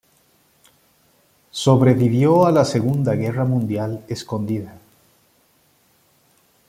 Sobrevivió a la Segunda Guerra Mundial escondida.